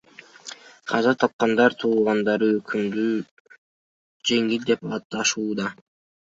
Каза тапкандардын туугандары өкүмдү жеңил деп аташууда.